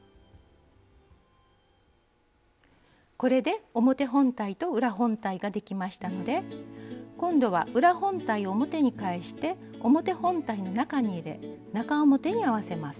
これで表本体と裏本体ができましたので今度は裏本体を表に返して表本体の中に入れ中表に合わせます。